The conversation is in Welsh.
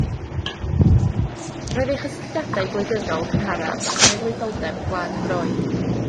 Roedd ei chysylltiadau gwleidyddol cynharaf â chenedlaetholdeb Gwlad Groeg.